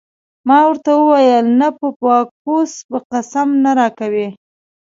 ما ورته وویل: نه په باکوس به قسم نه راکوې.